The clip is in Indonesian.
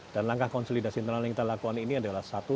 dan langkah konsolidasi internal yang kita lakukan ini adalah satu